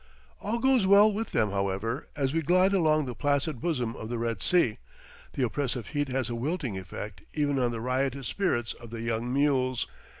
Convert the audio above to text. All goes well with them, however, as we glide along the placid bosom of the Red Sea; the oppressive heat has a wilting effect even on the riotous spirits of the young mules.